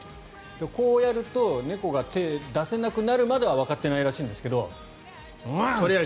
でもこうやると猫が手を出せなくなるまではわかっていないらしいんですがんんっ！